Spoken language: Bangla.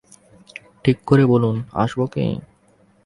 ঠিক করে বলুন, আসব কি?